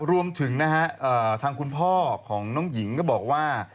รวมถึงนะฮะทางคุณพ่อของน้องหญิงก็บอกว่า